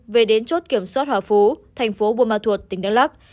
về đến chốt kiểm soát hòa phú tp buôn ma thuột tỉnh đắk lắc